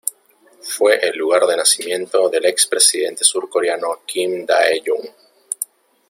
Fue el lugar de nacimiento del expresidente surcoreano Kim Dae-jung.